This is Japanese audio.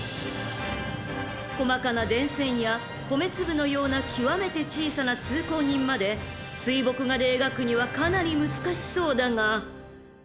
［細かな電線や米粒のような極めて小さな通行人まで水墨画で描くにはかなり難しそうだが］